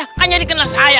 hanya dikenal saya